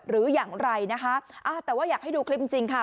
หรืออย่างไรนะคะอ่าแต่ว่าอยากให้ดูคลิปจริงจริงค่ะ